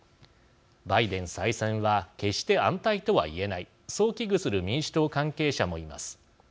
バイデン再選は決して安泰とは言えないそう危惧する民主党関係者もいます。